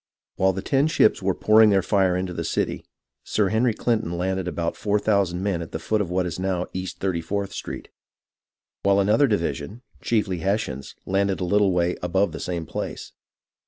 While the ten ships were pouring their fire into the city. Sir Henry Clinton landed about four thousand men at the foot of what is now East 34th Street, while another divi sion, chiefly Hessians, landed a little way above the same place.